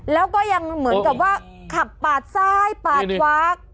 แล้วก็ยังเหมือนกับว่าขับปาดซ้ายปาดขวาก